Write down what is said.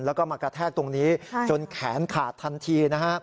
แล้วก็มากระแทกตรงนี้จนแขนขาดทันทีนะฮะ